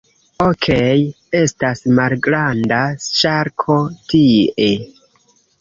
Okej, estas malgranda ŝarko tie...